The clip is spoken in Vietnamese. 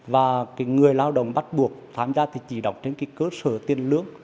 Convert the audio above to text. và cái người lao động bắt buộc tham gia thì chỉ đọc trên cái cơ sở tiên lưỡng